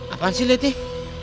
apaan sih letih